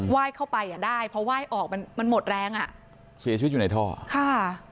ยเข้าไปอ่ะได้เพราะไหว้ออกมันมันหมดแรงอ่ะเสียชีวิตอยู่ในท่อค่ะ